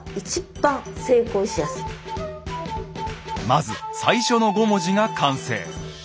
まず最初の５文字が完成。